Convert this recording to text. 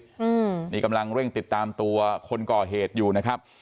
อืมนี่กำลังเร่งติดตามตัวคนก่อเหตุอยู่นะครับ